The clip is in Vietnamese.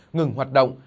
ngừng hoạt động